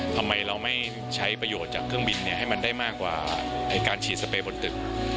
ทำไมเราไม่ใช้ประโยชน์จากเครื่องบินให้มันได้มากกว่าการฉีดสเปย์บนตึก